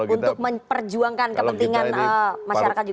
untuk memperjuangkan kepentingan masyarakat juga